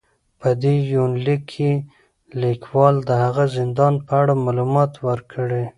په دې يونليک کې ليکوال د هغه زندان په اړه معلومات ور کړي